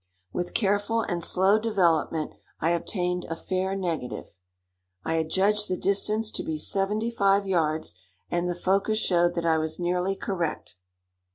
With careful and slow development, I obtained a fair negative. I had judged the distance to be seventy five yards, and the focus showed that I was nearly correct.